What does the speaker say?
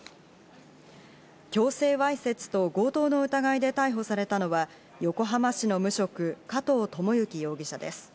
強制わいせつと強盗の疑いで逮捕されたのは横浜市の無職・加藤知行容疑者です。